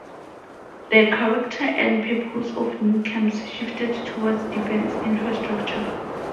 The character and purpose of new camps shifted toward defense infrastructure.